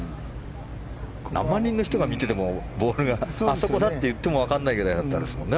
何万人の人が見ててもあそこだって言っても分からないぐらいでしたもんね。